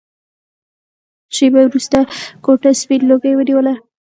شېبه وروسته کوټه سپين لوګي ونيوله.